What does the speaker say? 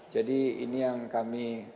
jadi ini yang kami